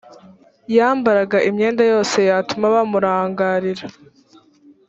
yambaraga imyenda yose yatuma bamurangarira